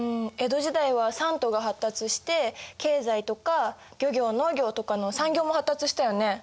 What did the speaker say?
江戸時代は三都が発達して経済とか漁業農業とかの産業も発達したよね。